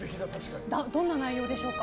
どんな内容でしょうか。